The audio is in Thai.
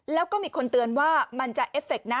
แล้วก็มีคนเตือนว่ามันจะเอฟเฟคนะ